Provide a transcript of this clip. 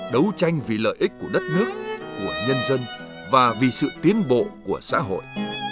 đấu tranh vì lợi ích của đất nước của nhân dân và vì sự tiến bộ của xã hội